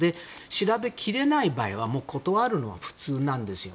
調べ切れない場合は断るのが普通なんですよ。